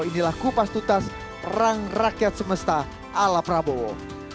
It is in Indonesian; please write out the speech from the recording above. inilah kupas tutas perang rakyat semesta ala prabowo